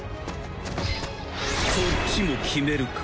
こっちも決めるか。